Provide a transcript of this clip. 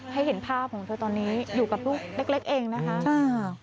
ให้เห็นภาพของเธอตอนนี้อยู่กับลูกเล็กเองนะครับ